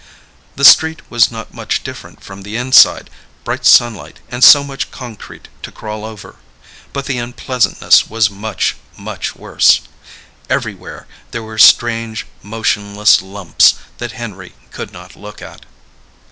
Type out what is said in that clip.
The street was not much different from the inside, bright sunlight and so much concrete to crawl over, but the unpleasantness was much, much worse. Everywhere there were strange, motionless lumps that Henry could not look at.